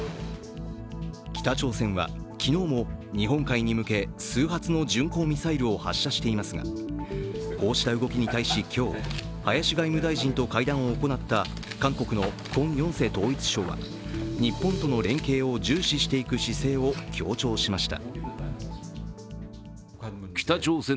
北朝鮮は、昨日も日本海に向け数発の巡航ミサイルを発射していますがこうした動きに対し今日林外務大臣と会談を行った韓国のクォン・ヨンセ統一相は日本との連携を重視していく姿勢を強調しました。